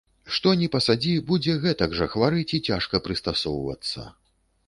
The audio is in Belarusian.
Што ні пасадзі, будзе гэтак жа хварэць і цяжка прыстасоўвацца.